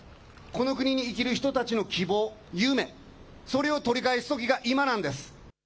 この国に生きる人たちの希望、夢、それを取り返すときが今なんです。